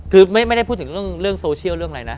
คือไม่ได้พูดถึงเรื่องโซเชียลเรื่องอะไรนะ